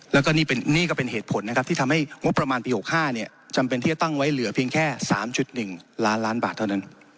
แล้วก็นี่เป็นนี่ก็เป็นเหตุผลนะครับที่ทำให้ว่าประมาณปีหกห้าเนี่ยจำเป็นที่จะตั้งไว้เหลือเพียงแค่สามจุดหนึ่งล้านล้านบาทเท่านั้น